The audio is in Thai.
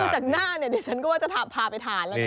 ก็ดูจากหน้าเนี่ยเดี๋ยวฉันกลัวจะพาไปทานแล้วนะ